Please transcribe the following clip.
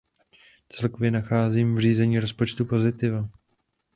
Celkově nacházím v řízení rozpočtu pozitiva.